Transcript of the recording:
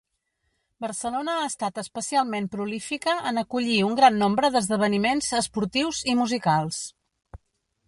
Barcelona ha estat especialment prolífica en acollir un gran nombre d'esdeveniments esportius i musicals.